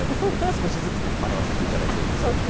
少しずつね、学ばせていただいてます。